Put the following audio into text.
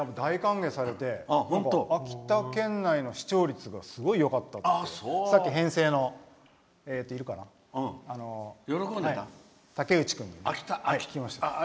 大歓迎されて秋田県内の視聴率がすごいよかったってさっき編成の竹内君に。